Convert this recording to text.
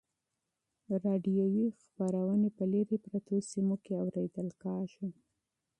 راډیویي خپرونې په لیرې پرتو سیمو کې اورېدل کیږي.